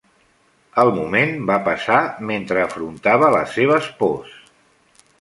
El moment van passar mentre afrontava les seves pors.